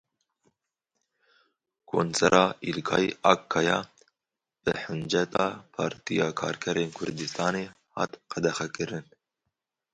Konsera Îlkay Akkaya bi hinceta Partiya Karkerên Kurdistanê hat qedexekirin.